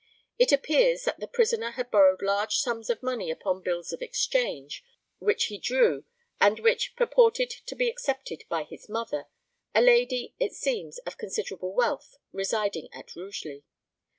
It appears that the prisoner had borrowed large sums of money upon bills of exchange, which he drew, and which purported to be accepted by his mother a lady, it seems, of considerable wealth, residing at Rugeley.